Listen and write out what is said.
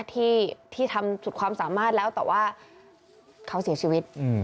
ที่ทำสุดความสามารถแล้วแต่ว่าเขาเสียชีวิต